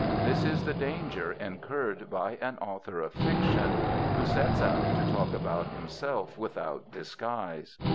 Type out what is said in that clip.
This is the danger incurred by an author of fiction who sets out to talk about himself without disguise.